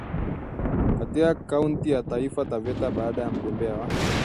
katika kaunti ya Taita Taveta baada ya mgombea wa